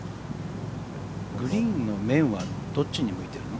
グリーンの面はどっちに向いてるの？